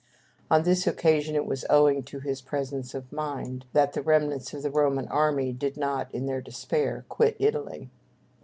On this occasion it was owing to his presence of mind that the remnants of the Roman army did not, in their despair, quit Italy.